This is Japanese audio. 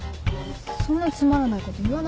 そんなつまらないこと言わないでよ。